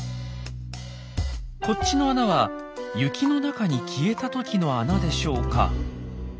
こっちの穴は雪の中に消えたときの穴でしょうか？